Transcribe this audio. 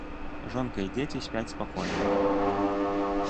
Жонка і дзеці спяць спакойна.